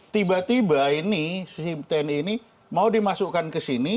tiba tiba ini si tni ini mau dimasukkan ke sini